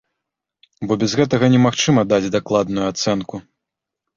Бо без гэтага немагчыма даць дакладную ацэнку.